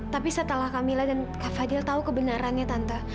tapi setelah kamila dan kak fadil tahu kebenarannya tante